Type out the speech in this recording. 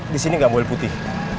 di sini nggak boleh putih